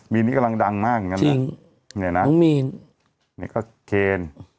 มีนนี้กำลังดังมากอย่างงั้นนะจริงเนี้ยน่ะน้องมีนเนี้ยก็เคน